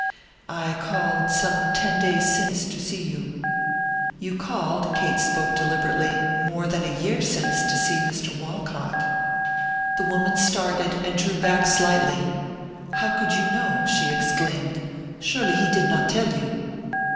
"I called some ten days since to see you." "You called," Kate spoke deliberately, "more than a year since to see Mr. Walcott." The woman started and drew back slightly. "How could you know?" she exclaimed; "surely he did not tell you!"